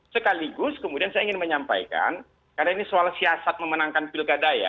sekaligus kemudian saya ingin menyampaikan karena ini soal siasat memenangkan pilkada ya